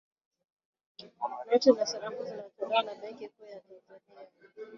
noti na sarafu zinatolewa na benki kuu ya tanzania